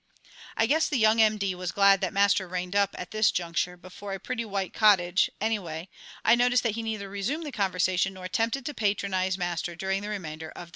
I guess the young M. D. was glad that Master reined up, at this juncture, before a pretty white cottage; anyway, I noticed that he neither resumed the conversation nor attempted to patronize Master during the remainder of the drive.